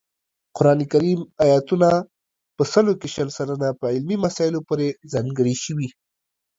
قران کریم آیاتونه په سلو کې شل سلنه په علمي مسایلو پورې ځانګړي شوي